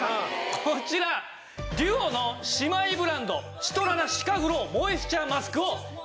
こちらＤＵＯの姉妹ブランドシトラナシカグロウモイスチャーマスクを１箱。